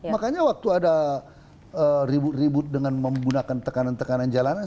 makanya waktu ada ribut ribut dengan menggunakan tekanan tekanan jalanan